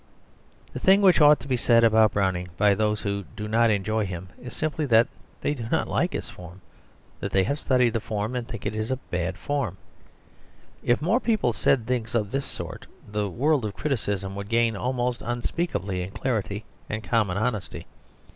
The thing which ought to be said about Browning by those who do not enjoy him is simply that they do not like his form; that they have studied the form, and think it a bad form. If more people said things of this sort, the world of criticism would gain almost unspeakably in clarity and common honesty.